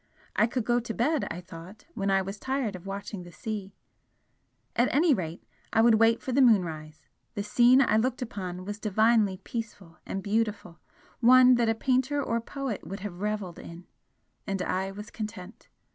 I could go to bed, I thought, when I was tired of watching the sea. At any rate, I would wait for the moonrise, the scene I looked upon was divinely peaceful and beautiful, one that a painter or poet would have revelled in and I was content.